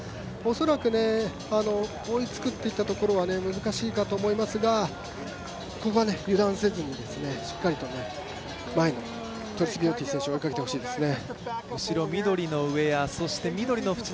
恐らく追いつくといったところは難しいかと思いますが、ここは油断せずにしっかりとトリスビオティ選手を追いかけてほしいですね。